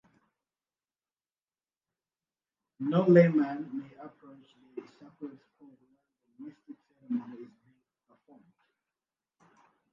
No layman may approach the sacred spot while the mystic ceremony is being performed.